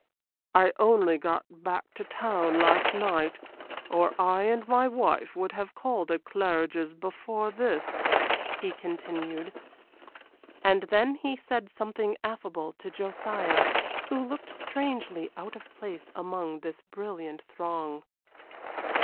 "I only got back to town last night, or I and my wife would have called at Claridge's before this," he continued. And then he said something affable to Josiah, who looked strangely out of place among this brilliant throng.